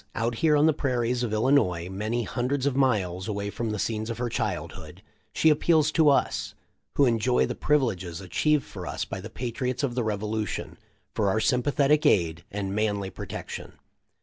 Out here on the prairies of Illinois, many hundreds of miles away from the scenes of her childhood, she appeals to us, who enjoy the privileges achieved for us by the patriots of the Revolution, for our sympathetic aid and manly protection.